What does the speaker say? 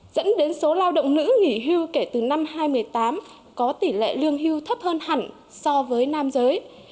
dẫn đến số lao động nữ nghỉ hưu kể từ năm hai nghìn một mươi tám có tỷ lệ lương hưu thấp hơn hẳn so với nam giới